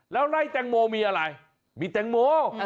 แล้วไล่แตงโมมีอะไรมีแตงโม